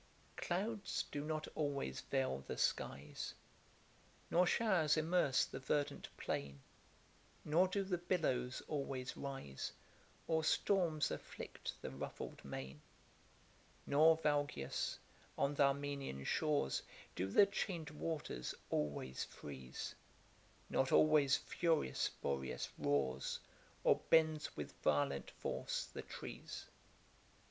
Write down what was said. Clouds do not always veil the skies, Nor showers immerse the verdant plain; Nor do the billows always rise, Or storms afflict the ruffled main. Nor, Valgius, on th' Armenian shores Do the chain'd waters always freeze; Not always furious Boreas roars, Or bends with violent force the trees.